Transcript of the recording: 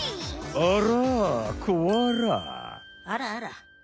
あらあら。